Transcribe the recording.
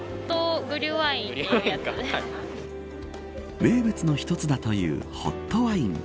名物の一つだというホットワイン。